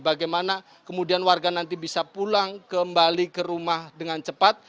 bagaimana kemudian warga nanti bisa pulang kembali ke rumah dengan cepat